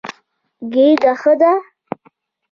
ګېډه ښه ده.